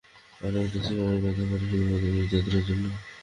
আরো একটা সিগারেট পেতে পারি, শুধুমাত্র এই যাত্রার জন্য?